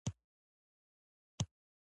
بیړه کول کله کله انسان ته تاوان رسوي.